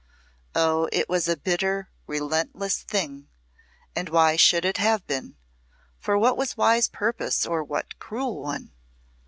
Oh, it was a bitter, relentless thing; and why should it have been for what wise purpose or what cruel one?